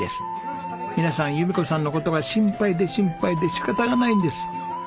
皆さん弓子さんの事が心配で心配で仕方がないんです。